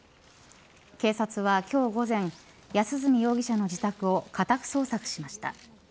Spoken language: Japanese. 警察は今日午前安栖容疑者の自宅を家宅捜索しました。